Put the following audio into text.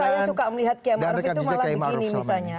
kalau saya suka melihat kiam arief itu malah begini misalnya